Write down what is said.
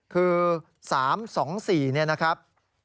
คือ๓๒๔เนี่ยนะครับ